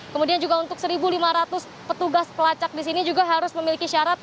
kemudian juga untuk seribu lima ratus petugas pelacak disini juga harus memiliki syarat